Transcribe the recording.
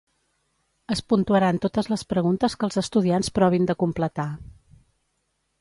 Es puntuaran totes les preguntes que els estudiants provin de completar.